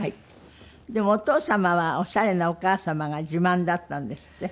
でもお父様はオシャレなお母様が自慢だったんですって？